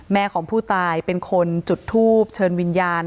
ของผู้ตายเป็นคนจุดทูบเชิญวิญญาณ